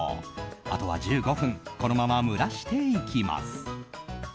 あとは１５分このまま蒸らしていきます。